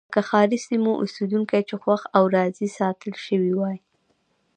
لکه ښاري سیمو اوسېدونکي چې خوښ او راضي ساتل شوي وای.